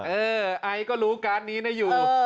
เออไอซ์ก็รู้การนี้นะยู